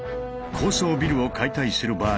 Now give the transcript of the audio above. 高層ビルを解体する場合